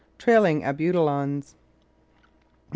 Trailing Abutilons. No.